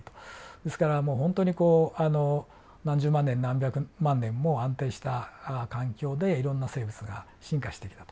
ですからもう本当にこう何十万年何百万年も安定した環境でいろんな生物が進化してきたと。